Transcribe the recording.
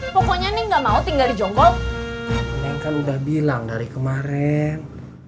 pokoknya nih nggak mau tinggal di jonggok kan udah bilang dari kemarin